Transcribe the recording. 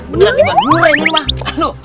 beneran tiba tiba durian rontok